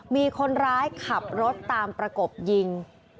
มีคนร้ายขับรถตามประกบยิง